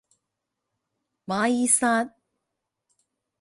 马尔萨。